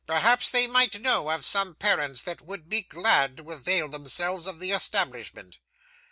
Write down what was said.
Perhaps they might know of some parents that would be glad to avail themselves of the establishment.